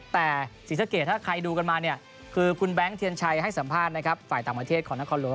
แต่ศรีสะเกดถ้าใครดูกันมาเนี่ยคือคุณแบงค์เทียนชัยให้สัมภาษณ์นะครับฝ่ายต่างประเทศของนครหลวง